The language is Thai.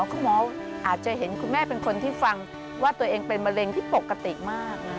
คุณหมออาจจะเห็นคุณแม่เป็นคนที่ฟังว่าตัวเองเป็นมะเร็งที่ปกติมาก